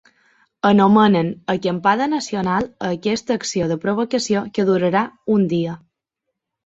Anomenen ‘acampada nacional’ a aquesta acció de provocació que durarà un dia.